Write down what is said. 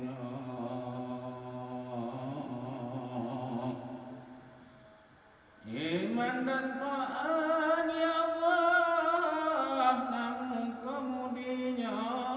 hai jerman dan tuhan ya allah namun kamu di nya